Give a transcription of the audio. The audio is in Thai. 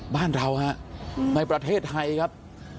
บ้านเราฮะในประเทศไทยครับ